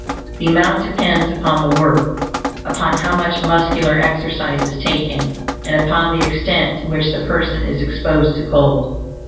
The amount depends upon the work; upon how much muscular exercise is taken, and upon the extent to which the person is exposed to cold.